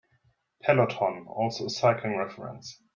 "Peloton" - also a cycling reference.